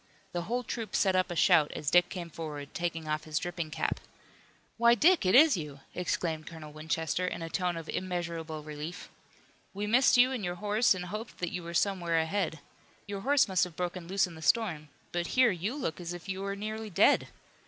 The whole troop set up a shout as Dick came forward, taking off his dripping cap. "Why, Dick, it is you!" exclaimed Colonel Winchester in a tone of immeasurable relief. "We missed you and your horse and hoped that you were somewhere ahead. Your horse must have broken loose in the storm. But here, you look as if you were nearly dead!